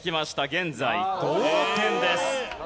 現在同点です。